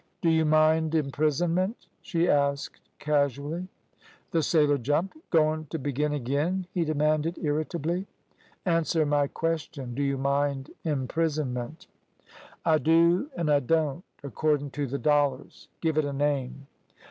"Do you mind imprisonment?" she asked casually. The sailor jumped. "Goin' t' begin agin?" he demanded irritably. "Answer my question. Do you mind imprisonment?" "I do an' I don't, accordin' to th' dollars. Give it a name."